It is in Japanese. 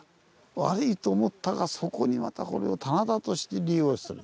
悪いと思ったがそこにまたこれを棚田として利用する。